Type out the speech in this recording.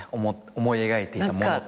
思い描いていたものと。